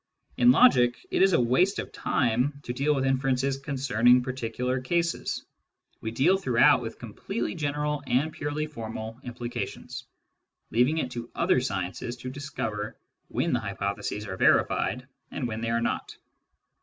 In logic, it is a waste of time to deal with inferences concern ing particular cases : we deal throughout with completely general and purely formal implications, leaving it to other sciences to discover when the hypotheses are verified and when they are not.